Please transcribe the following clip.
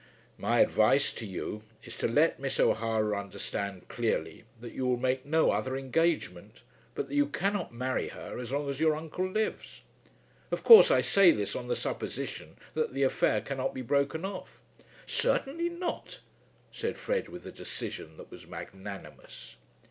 "My advice to you is to let Miss O'Hara understand clearly that you will make no other engagement, but that you cannot marry her as long as your uncle lives. Of course I say this on the supposition that the affair cannot be broken off." "Certainly not," said Fred with a decision that was magnanimous.